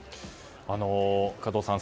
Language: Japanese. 加藤さん